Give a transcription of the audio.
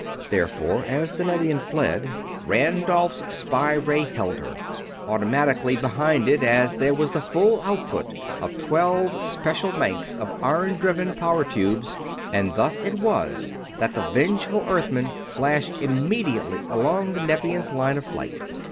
Therefore as the Nevian fled Randolph's spy ray held her, automatically behind it as there was the full output of twelve special banks of iron driven power tubes; and thus it was that the vengeful Earthmen flashed immediately along the Nevians' line of flight.